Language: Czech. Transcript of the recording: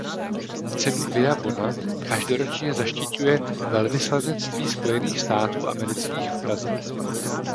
Cenu Via Bona každoročně zaštiťuje Velvyslanectví Spojených států amerických v Praze.